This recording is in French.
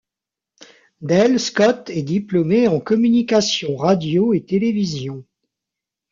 Dale Scott est diplômé en communication radio et télévision.